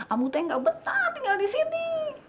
amputnya gak betah tinggal disini